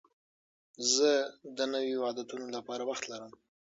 زه د نویو عادتونو لپاره وخت لرم.